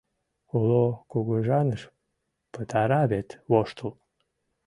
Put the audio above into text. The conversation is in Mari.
Уло кугыжаныш пытара вет воштыл»